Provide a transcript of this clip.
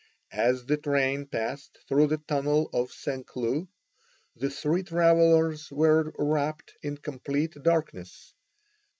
As the train passed through the tunnel of St. Cloud, the three travelers were wrapped in complete darkness.